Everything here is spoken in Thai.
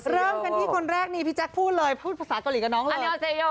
เริ่มกันที่คนแรกนี่พี่แจ๊คพูดเลยพูดภาษาเกาหลีกับน้องเลย